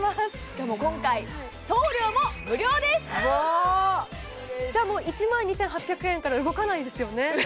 しかも今回うわ嬉しいじゃあもう１万２８００円から動かないですよね？